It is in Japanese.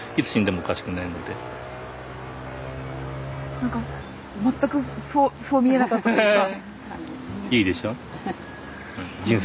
何か全くそう見えなかったから。